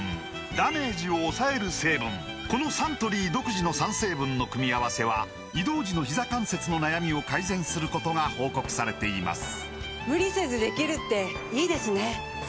このサントリー独自の３成分の組み合わせは移動時のひざ関節の悩みを改善することが報告されています